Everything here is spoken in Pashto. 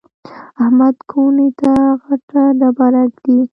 احمد کونې ته غټه ډبره ږدي.